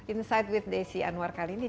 insight with desi anwar kali ini